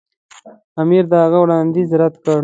امیر د هغه وړاندیز رد کړ.